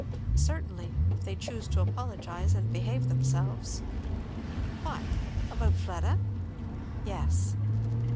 "Certainly if they choose to apologize and behave themselves." "What, about Fleda?" "Yes."